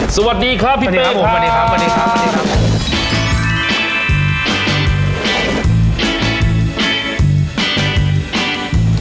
สวัสดีครับพี่เป้ครับสวัสดีครับผมสวัสดีครับสวัสดีครับสวัสดีครับ